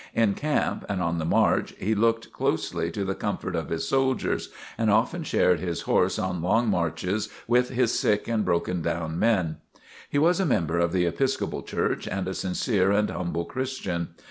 In camp and on the march he looked closely to the comfort of his soldiers, and often shared his horse on long marches with his sick and broken down men. He was a member of the Episcopal Church and a sincere and humble Christian.